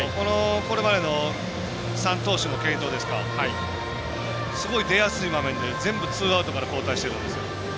これまでの３投手の継投ですかすごい出やすい場面で全部、ツーアウトから交代してるんですよ。